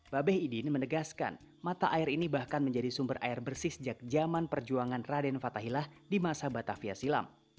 babeh idin menegaskan mata air ini bahkan menjadi sumber air bersih sejak zaman perjuangan raden fatahilah di masa batavia silam